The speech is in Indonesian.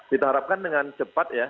kita harapkan dengan cepat ya